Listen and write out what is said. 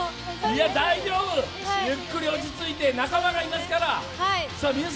いや、大丈夫ゆっくり落ち着いて、仲間がいますから。